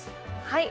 はい。